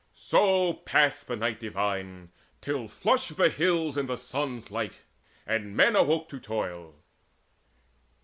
So passed the night divine, till flushed the hills In the sun's light, and men awoke to toil.